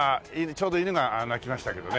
ちょうど犬が鳴きましたけどね。